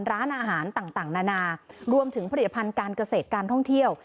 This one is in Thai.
ร้านอาหารต่างนานารวมถึงผลิตภัณฑ์การเกษตรการท่องเที่ยว